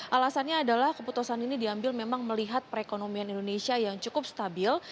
alasannya adalah keputusan ini diambil memang melihat perekonomian indonesia yang cukup stabil